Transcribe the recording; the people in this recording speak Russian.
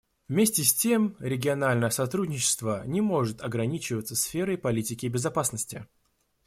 Вместе с тем региональное сотрудничество не может ограничиваться сферой политики и безопасности.